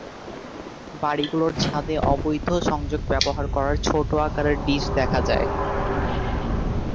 বাড়িগুলোর ছাদে অবৈধ সংযোগ ব্যবহার করার ছোট আকারের ডিশ দেখা যায়।